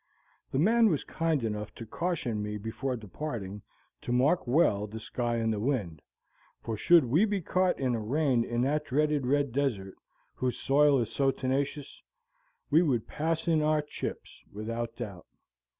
The man was kind enough to caution me before departing to mark well the sky and the wind, for should we be caught in a rain in that dreaded Red Desert, whose soil is so tenacious, we would "pass in our chips" without doubt.